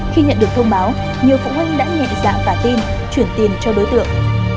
khi nhận được thông báo nhiều phụ huynh đã nhẹ dạng tả tin chuyển tiền cho đối tượng